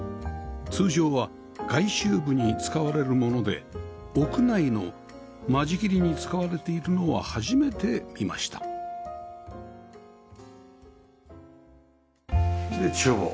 通常は外周部に使われるもので屋内の間仕切りに使われているのは初めて見ましたで厨房。